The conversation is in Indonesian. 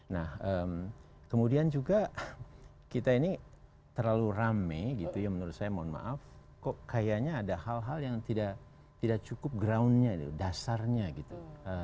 nah kemudian juga kita ini terlalu rame gitu ya menurut saya mohon maaf kok kayaknya ada hal hal yang tidak cukup groundnya dasarnya gitu